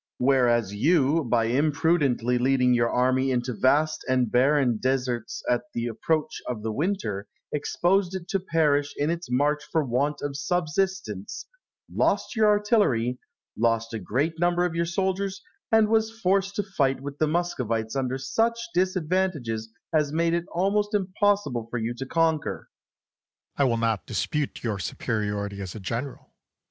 Whereas you, by imprudently leading your army into vast and barren deserts at the approach of the winter, exposed it to perish in its march for want of subsistence, lost your artillery, lost a great number of your soldiers, and was forced to fight with the Muscovites under such disadvantages as made it almost impossible for you to conquer. Charles. I will not dispute your superiority as a general.